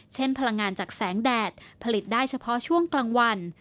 พลังงานจากแสงแดดผลิตได้เฉพาะช่วงกลางวัน